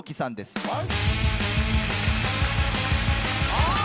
あっ！？